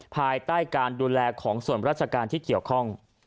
ภายใต้การดูแลของส่วนราชการที่เกี่ยวข้อง